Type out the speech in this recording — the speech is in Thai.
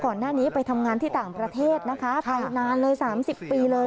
ก่อนหน้านี้ไปทำงานที่ต่างประเทศนะคะไปนานเลย๓๐ปีเลย